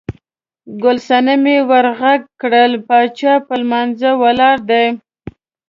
ګل صنمې ور غږ کړل، باچا په لمانځه ولاړ دی.